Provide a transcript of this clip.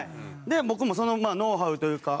で僕もそのノウハウというか。